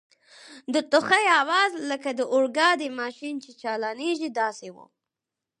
د ټوخي آواز لکه د اورګاډي ماشین چي چالانیږي داسې و.